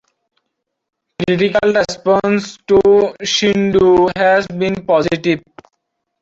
Critical response to Shindo has been positive.